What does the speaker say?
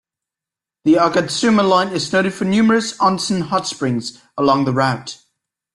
The Agatsuma Line is noted for numerous "onsen" hot springs along the route.